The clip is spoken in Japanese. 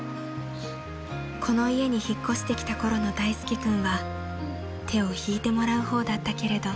［この家に引っ越してきたころの大介君は手を引いてもらう方だったけれど］